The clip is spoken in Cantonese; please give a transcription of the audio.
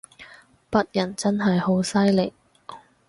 北人真係好犀利